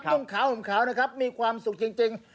นุ่งขาวห่มขาวนะครับมีความสุขจริง